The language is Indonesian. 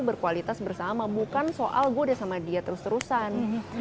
berkualitas bersama bukan soal gue udah sama dia terus terusan